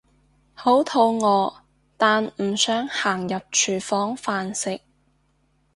好肚餓但唔想行入廚房飯食